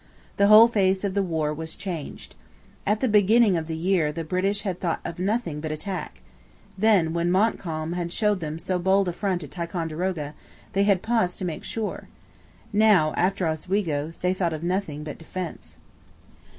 The whole face of the war was changed. At the beginning of the year the British had thought of nothing but attack. Then, when Montcalm had shown them so bold a front at Ticonderoga, they had paused to make sure. Now, after Oswego, they thought of nothing but defence.